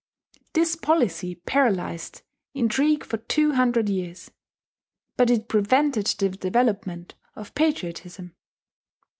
This policy paralyzed intrigue for two hundred years; but it prevented the development of patriotism.